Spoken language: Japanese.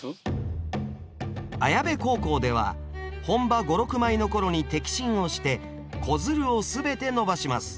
綾部高校では本葉５６枚の頃に摘心をして子づるを全て伸ばします。